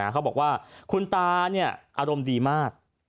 เขาบอกว่าคุณตาอารมณ์ดีมาก